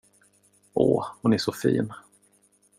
Åh, hon är så fin.